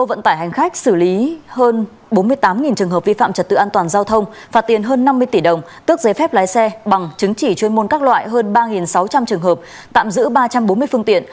xe vận tải hành khách xử lý hơn bốn mươi tám trường hợp vi phạm trật tự an toàn giao thông phạt tiền hơn năm mươi tỷ đồng tước giấy phép lái xe bằng chứng chỉ chuyên môn các loại hơn ba sáu trăm linh trường hợp tạm giữ ba trăm bốn mươi phương tiện